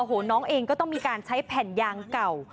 โอ้โหน้องเองก็ต้องมีการใช้แผ่นยางเก่า